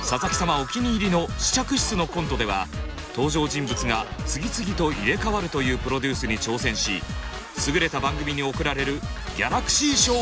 お気に入りの「試着室」のコントでは登場人物が次々と入れ替わるというプロデュースに挑戦し優れた番組に贈られる。